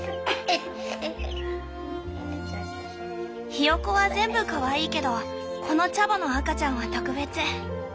ヒヨコは全部かわいいけどこのチャボの赤ちゃんは特別。